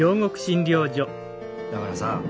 だからさ